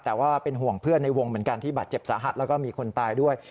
แต่ว่าเป็นห่วงเพื่อนในวงเหมือนกันที่บาดเจ็บสาหัสแล้วก็มีคนตายด้วย